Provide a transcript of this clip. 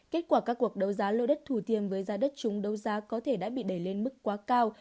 kết quả các cuộc đấu giá lâu đất thủ thiêm với giá đất chung đấu giá có thể đã bị đẩy lên mức quá cao